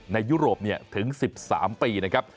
ยุโรปถึง๑๓ปีนะครับ